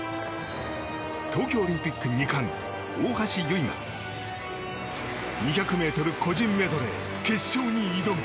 東京オリンピック２冠大橋悠依が２００ｍ個人メドレー決勝に挑む！